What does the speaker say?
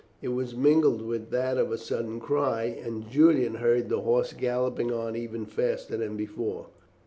It was mingled with that of a sudden cry, and Julian heard the horse galloping on even faster than before.